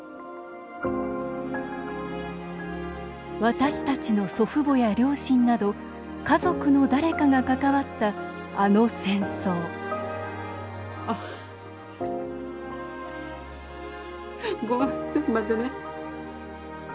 私たちの祖父母や両親など家族の誰かが関わったあの戦争ごめんちょっと待ってね。